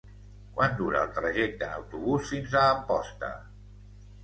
Quant dura el trajecte en autobús fins a Amposta?